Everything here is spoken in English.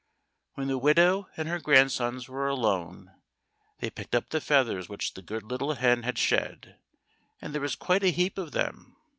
When the widow and her grandsons were alone they picked up the feathers which the good little hen had shed, and there was quite a heap of them.